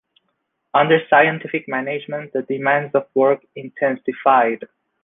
Under scientific management, the demands of work intensified.